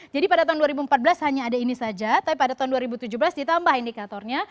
jadi pada tahun dua ribu empat belas hanya ada ini saja tapi pada tahun dua ribu tujuh belas ditambah indikatornya